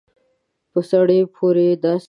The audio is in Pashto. په سړي پورې داسې څيزونه نښلوي.